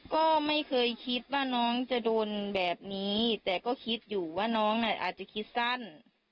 ก็ไม่เคยคิดว่าน้องจะโดนแบบนี้แต่ก็คิดอยู่ว่าน้องน่ะอาจจะคิดสั้น